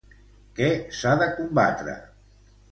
Què s'ha de combatre?